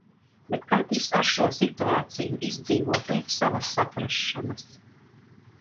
Bet katrs ar šo situāciju izdzīvo pēc savas saprašanas.